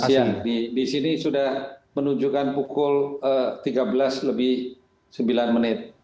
siang di sini sudah menunjukkan pukul tiga belas lebih sembilan menit